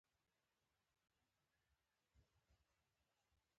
پۀ ونو د موسيقۍ اثر داسې وو